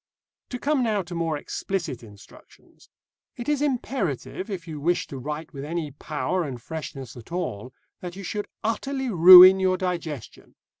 To come now to more explicit instructions. It is imperative, if you wish to write with any power and freshness at all, that you should utterly ruin your digestion.